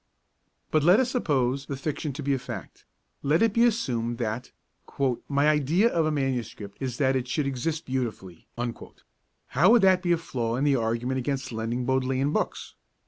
But let us suppose the fiction to be a fact; let it be assumed that 'my idea of a MS. is that it should exist beautifully'; how would that be a flaw in the argument against lending Bodleian books?